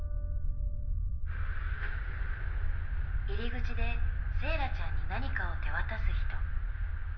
入り口でセーラちゃんに何かを手渡す人。